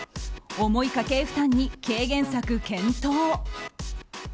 重い家計負担に軽減策検討。